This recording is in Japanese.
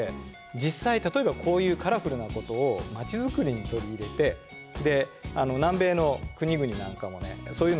実際例えばこういうカラフルなことを町づくりに取り入れてで南米の国々なんかもねそういうのを取り入れたりしてるんですよ。